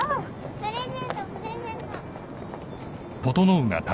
プレゼントプレゼント！